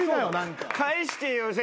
返してよ